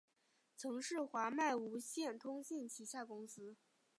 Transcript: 曾是华脉无线通信旗下公司。